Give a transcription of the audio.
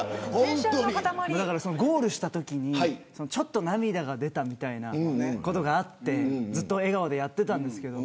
ゴールしたときに、ちょっと涙が出たみたいなことがあってずっと笑顔でやっていたんですけど。